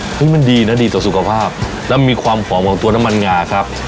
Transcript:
มันดีนะดีต่อสุขภาพแล้วมีความหอมของตัวน้ำมันงาครับ